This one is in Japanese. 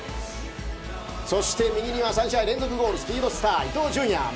そして、右には３試合連続ゴールスピードスター、伊東純也。